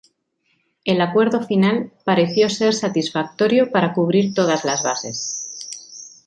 El acuerdo final pareció ser satisfactorio para cubrir todas las bases.